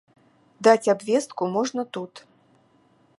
Даць абвестку можна тут.